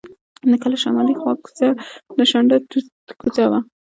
د کلا شمالي خوا کوڅه د شنډه توت کوڅه وه.